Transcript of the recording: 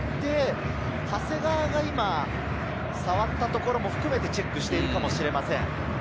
長谷川が触ったところも含めてチェックしているのかもしれません。